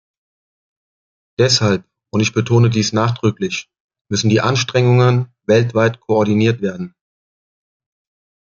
Deshalb – und ich betone dies nachdrücklich – müssen die Anstrengungen weltweit koordiniert werden.